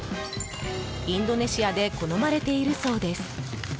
インドネシアで好まれているそうです。